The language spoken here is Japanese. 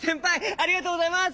ありがとうございます。